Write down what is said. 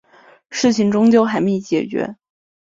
事情终究还没解决